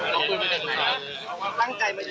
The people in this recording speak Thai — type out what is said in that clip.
นั่งใจไม่อย่างเหมือนเลย